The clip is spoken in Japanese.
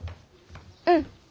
うん。